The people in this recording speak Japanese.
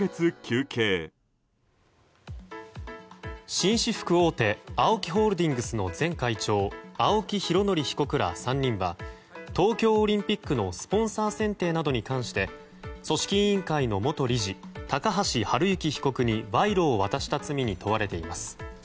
紳士服大手ＡＯＫＩホールディングスの前会長、青木拡憲被告ら３人は東京オリンピックのスポンサー選定などに関して組織委員会の元理事高橋治之被告に賄賂を渡した罪に問われています。